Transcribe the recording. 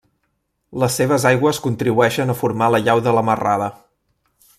Les seves aigües contribueixen a formar la llau de la Marrada.